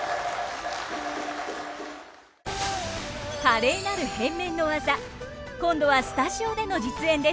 華麗なる変面の技今度はスタジオでの実演です。